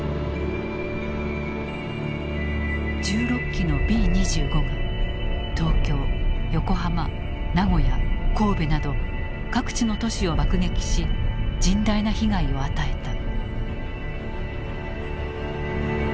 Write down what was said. １６機のＢ２５が東京横浜名古屋神戸など各地の都市を爆撃し甚大な被害を与えた。